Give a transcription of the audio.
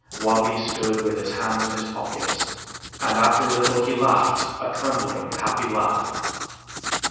Wabi stood with his hands in his pockets, and after a little he laughed a trembling, happy laugh.